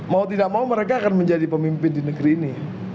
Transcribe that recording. mau tidak mau mereka akan menjadi pemimpin di negeri ini